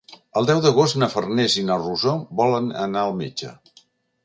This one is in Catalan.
El deu d'agost na Farners i na Rosó volen anar al metge.